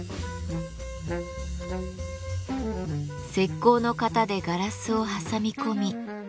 石膏の型でガラスを挟み込み。